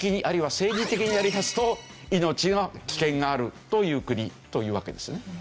あるいは政治的にやりますと命の危険があるという国というわけですね。